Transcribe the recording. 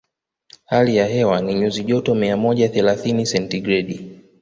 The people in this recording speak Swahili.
Hali ya hewa ni nyuzi joto mia moja thelathini sentigredi